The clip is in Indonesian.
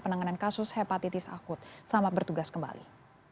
penanganan kasus hepatitis akut selamat bertugas kembali